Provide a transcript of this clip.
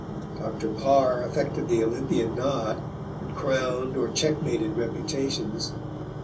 Dr. Parr affected the Olympian nod, and crowned or checkmated reputations.